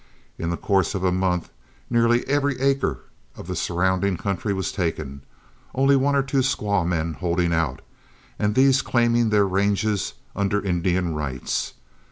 In the course of a month, nearly every acre of the surrounding country was taken, only one or two squaw men holding out, and these claiming their ranges under Indian rights.